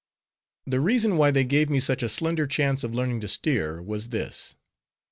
The reason why they gave me such a slender chance of learning to steer was this.